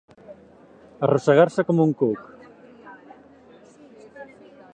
Arrossegar-se com un cuc.